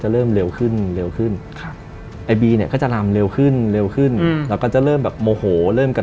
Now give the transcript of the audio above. เริ่มกระทืบเท้า